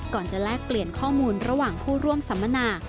ก่อนจะแลกเปลี่ยนข้อมูลระหว่างผู้ร่วมสัมมนา